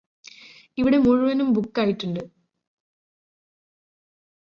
ഇവിടെ മുഴുവനും ബുക്ക് ആയിട്ടുണ്ട്